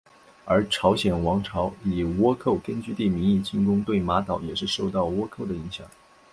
而朝鲜王朝以倭寇根据地名义进攻对马岛也是受到倭寇的影响。